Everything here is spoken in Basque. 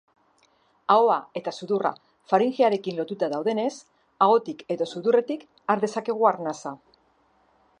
Ahoa eta sudurra faringearekin lotuta daudenez, ahotik edo sudurretik har dezakegu arnasa.